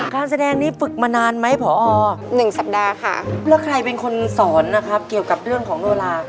การแสดงนี้ฝึกมานานไหมผอ๑สัปดาห์ค่ะแล้วใครเป็นคนสอนนะครับเกี่ยวกับเรื่องของโนลา